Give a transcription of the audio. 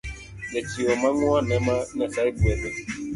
Jachiwo mang’uon ema Nyasaye gwedho